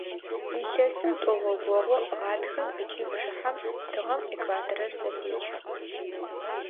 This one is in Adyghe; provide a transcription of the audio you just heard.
Илъэсым тӀогъогогъо – гъатхэм ыкӀи бжыхьэм тыгъэм экваторыр зэпечы.